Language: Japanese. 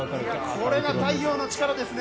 これが太陽の力ですね。